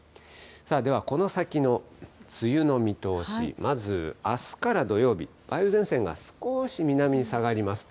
では、この先の梅雨の見通し、まずあすから土曜日、梅雨前線が少し南に下がります。